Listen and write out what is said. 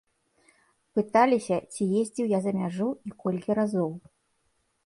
Пыталіся, ці ездзіў я за мяжу і колькі разоў.